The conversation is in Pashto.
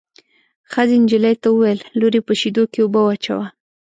ښځې نجلۍ ته وویل: لورې په شېدو کې اوبه واچوه.